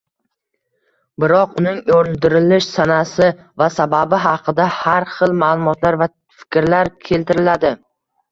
Biroq uning oʻldirilish sanasi va sababi haqida har xil maʼlumotlar va fikrlar keltiriladi